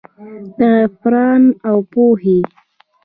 د عرفان اوپو هي